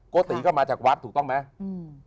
โกติก็มาจากวัดถูกต้องไหม